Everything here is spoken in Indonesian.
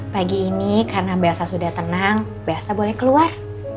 pagi ini karena biasa sudah tenang biasa boleh keluar